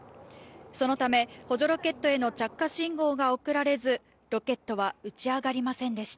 そのため、補助ロケットへの着火信号が送られず、ロケットは打ち上がりませんでした。